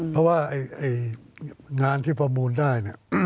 เพราะว่างานที่ประมูลได้